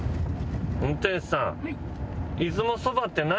運転手さん。